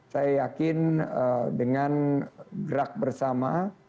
saya yakin dengan gerak bersama